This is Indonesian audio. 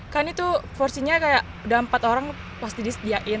kan itu porsinya kayak udah empat orang pasti disediain